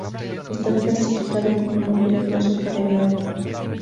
Está clasificado como no peligroso para el agua.